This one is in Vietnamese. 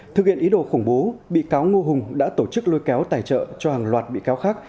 thực hiện ý đồ khủng bố bị cáo ngô hùng đã tổ chức lôi kéo tài trợ cho hàng loạt bị cáo khác